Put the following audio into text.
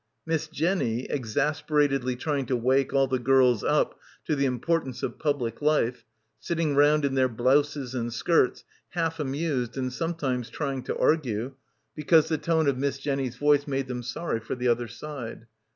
...— 275 — PILGRIMAGE Miss Jenny, exasperatedly trying to wake all the girls up to the importance of public life, sitting round in their blouses and skirts, half amused and sometimes trying to argue, because the tone of Miss Jenny's voice made them sorry for the other side.